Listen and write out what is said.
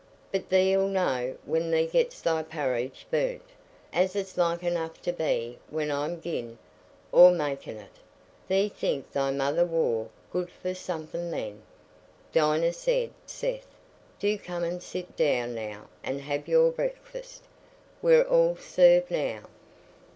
But thee'lt know when thee gets thy parridge burnt, as it's like enough to be when I'n gi'en o'er makin' it. Thee'lt think thy mother war good for summat then." "Dinah," said Seth, "do come and sit down now and have your breakfast. We're all served now."